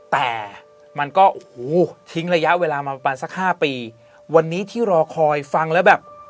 แต่มันก็โอ้โหทิ้งระยะเวลามาประมาณสักห้าปีวันนี้ที่รอคอยฟังแล้วแบบ